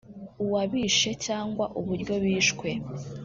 uwabishe cyangwa uburyo bishwe